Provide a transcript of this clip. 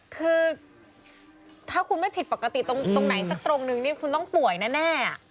คือถ้าคุณไม่ผิดปกติตรงไหนสักตรงนึงนี่คุณต้องป่วยแน่